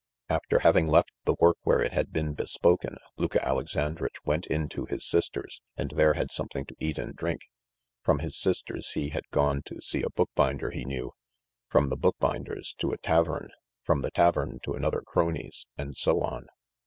After having left the work where it had been bespoken, Luka Alexandritch went into his sister's and there had something to eat and drink; from his sister's he had gone to see a bookbinder he knew; from the bookbinder's to a tavern, from the tavern to another crony's, and so on.